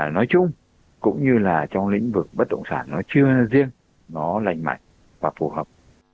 nói chung cũng như là trong lĩnh vực bất động sản nó chưa riêng nó lành mạnh và phù hợp